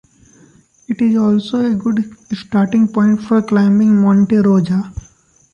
It is also a good starting point for climbing Monte Rosa.